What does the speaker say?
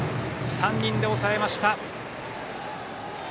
３人で抑えました。